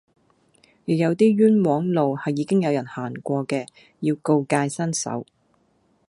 亦有啲冤枉路係已經有人行過嘅要告誡新手